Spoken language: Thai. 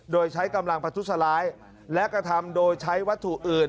โดยใช้กำลังประทุษร้ายและกระทำโดยใช้วัตถุอื่น